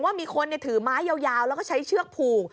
ว่ามีคนถือไม้ยาวแล้วก็ใช้เชือกผูก